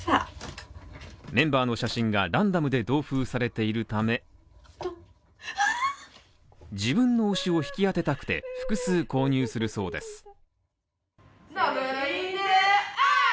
メンバーの写真がランダムで同封されているため自分の推しを引き当てたくて、複数購入するそうです。